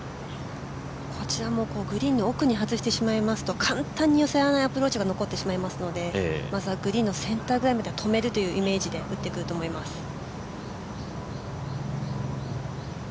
こちらもグリーンの奥に外してしまいますと簡単に寄せられないアプローチが残ってしまいますのでグリーンのセンターぐらいまでで止めるというイメージで打ってくると思います。